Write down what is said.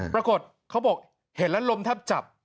ปรากฏเขาบอกเห็นแล้วลมแทบจับ